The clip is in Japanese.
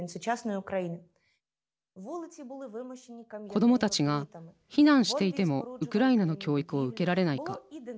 子どもたちが避難していてもウクライナの教育を受けられないか。